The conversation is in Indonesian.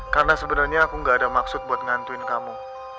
karena sebenernya aku gak ada maksud buat ngantuin kamu